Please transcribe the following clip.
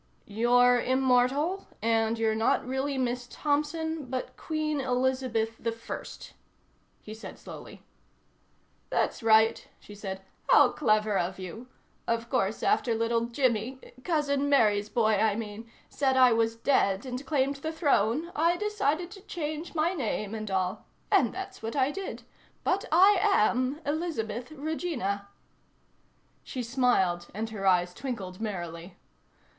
"You're immortal, and you're not really Miss Thompson, but Queen Elizabeth I?" he said slowly. "That's right," she said. "How clever of you. Of course, after little Jimmy cousin Mary's boy, I mean said I was dead and claimed the Throne, I decided to change my name and all. And that's what I did. But I am Elizabeth Regina." She smiled, and her eyes twinkled merrily.